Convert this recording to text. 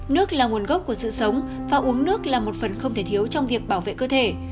nước là nguồn gốc của sự sống và uống nước là một phần không thể thiếu trong việc bảo vệ cơ thể